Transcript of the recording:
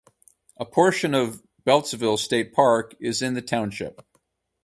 A portion of Beltzville State Park is in the township.